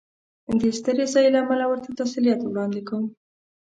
دې سترې ضایعې له امله ورته تسلیت وړاندې کوم.